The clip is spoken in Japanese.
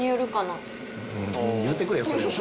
言うてくれよそれを。